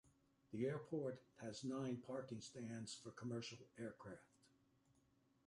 The airport has nine parking stands for commercial aircraft.